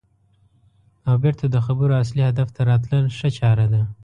او بېرته د خبرو اصلي هدف ته راتلل ښه چاره ده.